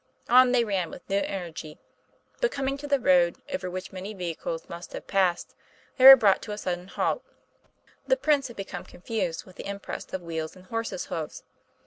On they ran with new energy, but coming to the road, over which many vehicles must have passed, they were brought to a sudden halt. The prints had become confused with the impress of wheels and horses' hoofs.